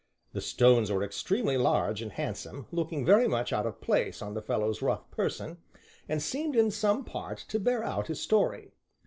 The stones were extremely large and handsome, looking very much out of place on the fellow's rough person, and seemed in some part to bear out his story.